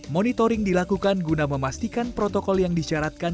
monitoring dilakukan guna memastikan protokol yang disyaratkan